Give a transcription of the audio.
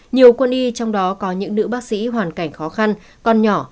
nhiều quân y trong đó có những nữ bác sĩ hoàn cảnh khó khăn con nhỏ